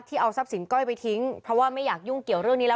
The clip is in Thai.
เอาทรัพย์สินก้อยไปทิ้งเพราะว่าไม่อยากยุ่งเกี่ยวเรื่องนี้แล้ว